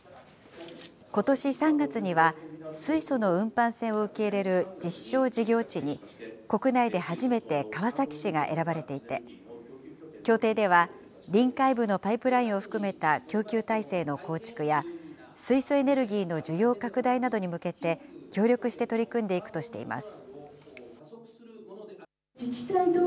ことし３月には、水素の運搬船を受け入れる実証事業地に、国内で初めて川崎市が選ばれていて、協定では、臨海部のパイプラインを含めた供給体制の構築や、水素エネルギーの需要拡大などに向けて協力して取り組んでいくとしています。